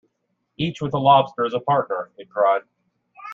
‘Each with a lobster as a partner!’ it cried.